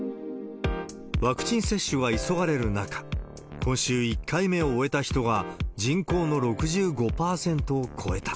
ワクチン接種が急がれる中、今週、１回目を終えた人が人口の６５％を超えた。